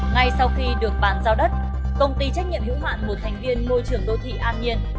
ngay sau khi được bàn giao đất công ty trách nhiệm hữu hạn một thành viên môi trường đô thị an nhiên